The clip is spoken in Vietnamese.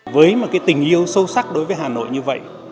với một cái tình yêu sâu sắc đối với hà nội như vậy